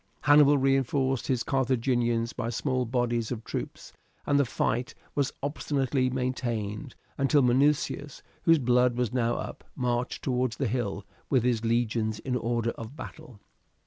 Hannibal reinforced his Carthaginians by small bodies of troops, and the fight was obstinately maintained until Minucius, whose blood was now up, marched towards the hill with his legions in order of battle.